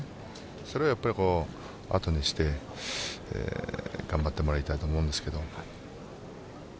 それは後にして頑張ってもらいたいと思うんですけど。